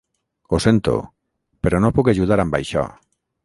Ho sento, però no puc ajudar amb això.